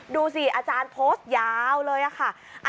ดูสิอาจารย์โพสต์ยาวเลยค่ะ